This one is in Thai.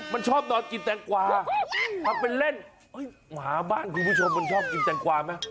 มันชอบนอนกินแตงกวาทำเป็นเล่นหมาบ้านคุณผู้ชมมันชอบกินแตงกวาไหม